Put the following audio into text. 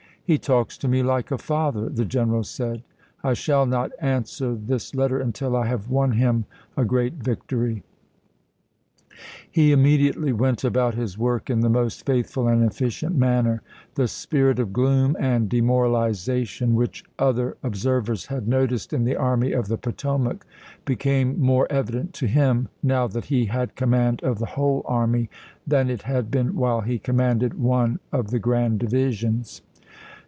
" He talks to me like a father," the general said. " I shall not answer this letter until I have won him a great victory." He immediately went about his work in the most faithful and efficient manner. The spirit of gloom and demoralization which other observers had noticed in the Army of the Potomac became more evident to him, now that he had command of the whole army, than it had been while he commanded one of the Grand Divisions.